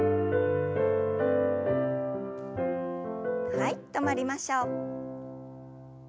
はい止まりましょう。